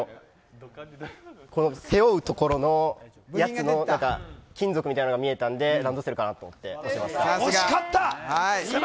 背負うところのやつの金属みたいなのが見えたのでランドセルかなと思って押しました。